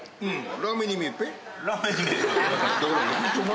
うん。